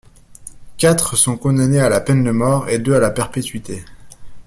Quatre sont condamnés à la peine de mort, et deux à la perpétuité.